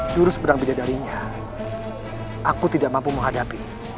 jurus berang bijadarinya aku tidak mampu menghadapi